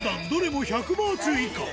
そのお値段、どれも１００バーツ以下。